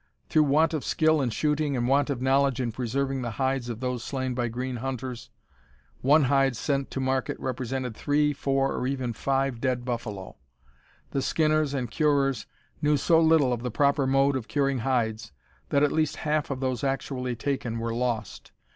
Through want of skill in shooting and want of knowledge in preserving the hides of those slain by green hunters, one hide sent to market represented three, four, or even five dead buffalo. The skinners and curers knew so little of the proper mode of curing hides, that at least half of those actually taken were lost.